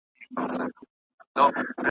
کله ورور کله مو زوی راته تربوری دی.